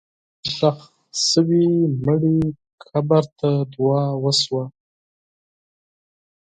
د ښخ شوي مړي قبر ته دعا وشوه.